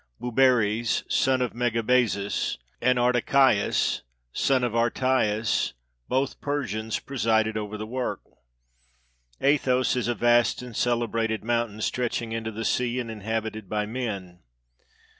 Bubares, son of Megabazus, and Artachaeus, son of Artasus, both Persians, presided over the work. Athos is a vast and celebrated mountain, stretching into the sea, and inhabited by men.